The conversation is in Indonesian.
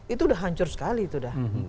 itu udah hancur sekali itu dah